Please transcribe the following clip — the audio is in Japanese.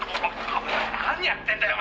「何やってんだよお前！」